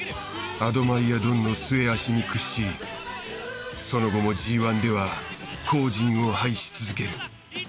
アドマイヤドンの末脚に屈しその後もＧ後塵を拝し続ける。